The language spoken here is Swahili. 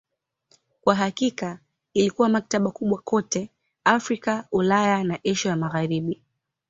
Kwa hakika ilikuwa maktaba kubwa kote Afrika, Ulaya na Asia ya Magharibi.